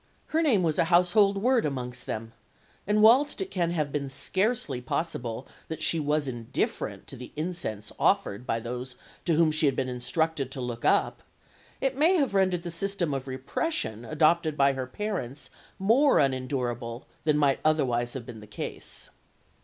Her name was a household word amongst them, and whilst it can have been scarcely possible that she was indifferent to the incense offered by those to whom she had been instructed to look up, it may have rendered the system of repression adopted by her parents more unendurable than might otherwise have been the case.